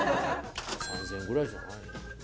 ３０００円ぐらいじゃないの？